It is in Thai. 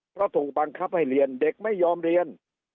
เพราะถูกบังคับให้เรียนเด็กไม่ยอมเรียน